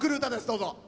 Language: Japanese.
どうぞ。